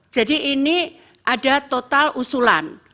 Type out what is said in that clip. jadi ini ada total usulan